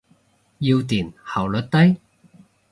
要電，效率低。